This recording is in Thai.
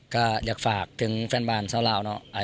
ก็อยากฝากถึงแฟนบ้านชาวลาวเนอะ